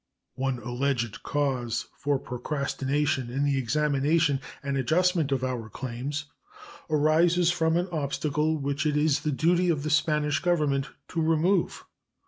One alleged cause for procrastination in the examination and adjustment of our claims arises from an obstacle which it is the duty of the Spanish Government to remove.